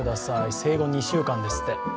生後２週間ですって。